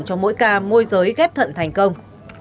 cho mỗi ca môi giới ghép thận thành công